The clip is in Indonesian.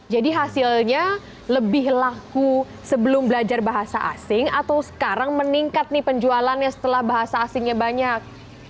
jadi hasilnya lebih laku sebelum belajar bahasa asing atau sekarang meningkat nih penjualannya setelah bahasa asingnya banyak